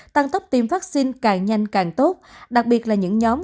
tăng tốc tiêm vaccine càng nhanh càng tốt đặc biệt là những nhóm